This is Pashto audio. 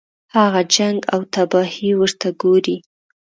هغه جنګ او تباهي ورته ګوري.